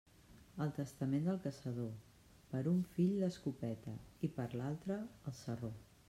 El testament del caçador: per un fill l'escopeta i per l'altre el sarró.